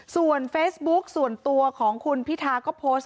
ส่วนเฟซบุ๊กส่วนตัวของคุณพิธาก็โพสต์